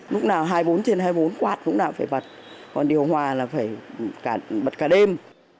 lúc nào hai mươi bốn trên hai mươi bốn quạt cũng nào phải bật còn điều hòa là phải bật cả đêm